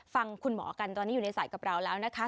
ฟังคุณหมอกันตอนนี้อยู่ในสายกับเราแล้วนะคะ